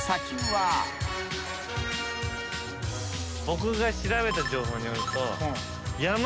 僕が調べた情報によると。